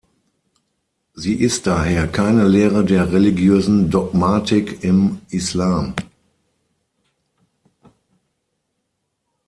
Sie ist daher keine Lehre der religiösen Dogmatik im Islam.